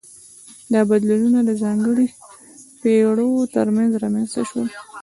دا بدلونونه د ځانګړو پیړیو ترمنځ رامنځته شول.